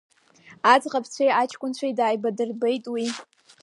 Аӡӷабцәеи аҷкәынцәеи дааибадырбеит уи.